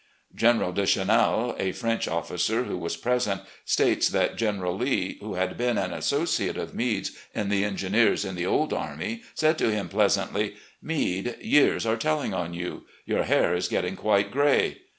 General de Chanal, a French officer, who was present, states that General Lee, who had been an associate of Meade's in the engineers in the "old army," said to him pleasantly : "Meade, years are telUng on you; your hair is getting quite gray."